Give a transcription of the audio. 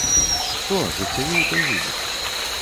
Хто ажыццявіў той выбух?